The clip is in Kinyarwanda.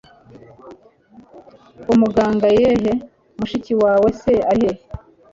umuganga yeeeh! mushiki wawe se ari hehe!